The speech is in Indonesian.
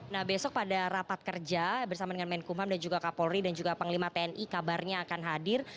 nah besok pada rapat kerja bersama dengan menkumham dan juga kapolri dan juga panglima tni kabarnya akan hadir